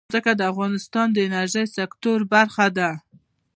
ځمکه د افغانستان د انرژۍ سکتور برخه ده.